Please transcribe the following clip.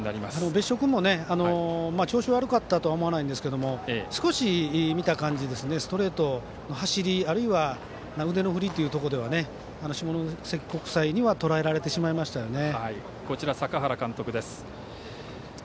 別所君も調子悪かったとは思わないんですけど少し見た感じ、ストレートの走りあるいは腕の振りっていうところでは下関国際にはとらえられてしまいましたよね。